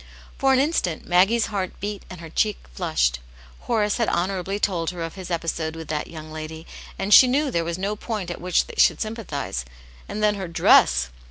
For an instant Maggie's heart beat and her cheek flushed. Horace had honourably told her of his episode with that young lady, and she knew there was no point at which they should sympathize; and then her dress